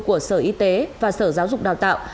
của sở y tế và sở giáo dục đào tạo